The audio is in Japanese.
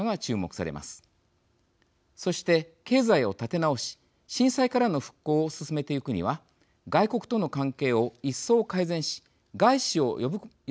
そして経済を立て直し震災からの復興を進めていくには外国との関係を一層改善し外資を呼び込むことが必要です。